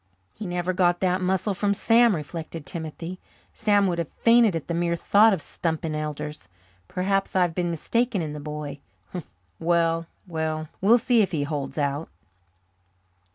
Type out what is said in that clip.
"He never got that muscle from Sam," reflected Timothy. "Sam would have fainted at the mere thought of stumping elders. Perhaps I've been mistaken in the boy. Well, well, we'll see if he holds out."